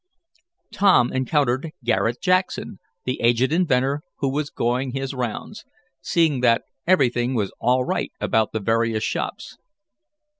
Tom encountered Garret Jackson, the aged inventor who was going his rounds, seeing that everything was all right about the various shops.